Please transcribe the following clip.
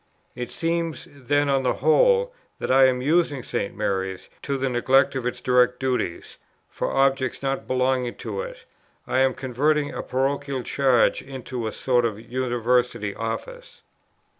It seems, then, on the whole that I am using St. Mary's, to the neglect of its direct duties, for objects not belonging to it; I am converting a parochial charge into a sort of University office.